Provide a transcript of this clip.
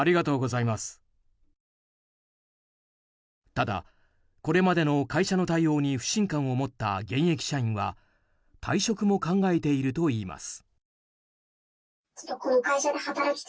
ただ、これまでの会社の対応に不信感を持った現役社員は退職も考えているといいます。